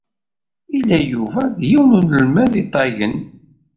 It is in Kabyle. Yella Yuba d yiwen n unelmad iṭagen.